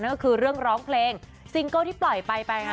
ก็คือเรื่องร้องเพลงซิงเกิลที่ปล่อยไปไปค่ะ